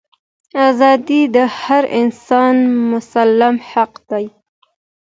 ازادي د هر انسان مسلم حق دی.